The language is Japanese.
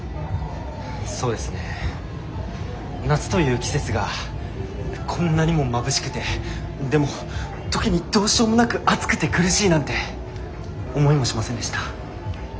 そうですね夏という季節がこんなにもまぶしくてでも時にどうしようもなく暑くて苦しいなんて思いもしませんでした。